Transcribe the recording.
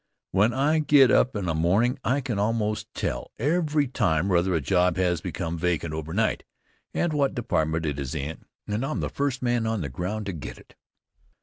When I get up in the mornin' I can almost tell every time whether a job has become vacant over night, and what department it's in and I'm the first man on the ground to get it.